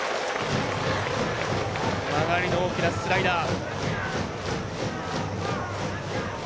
曲がりの大きなスライダー。